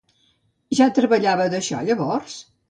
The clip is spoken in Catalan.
Ja treballava d'això llavors?